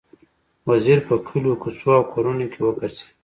وزیر په کلیو، کوڅو او کورونو کې وګرځېد.